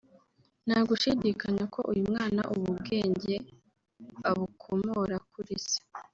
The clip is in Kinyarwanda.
nta gushidikanya ko uyu mwana ubu bwenge abukomora kuri se